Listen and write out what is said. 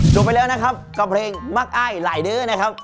จบไปแล้วนะครับกับเพลงมักอ้ายหลายเด้อนะครับ